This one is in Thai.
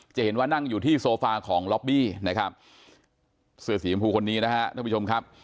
จะเห็นว่านั่งอยู่ที่โซฟาของล็อบบี้นะครับเสื้อสีชมพูคนนี้นะฮะท่านผู้ชมครับ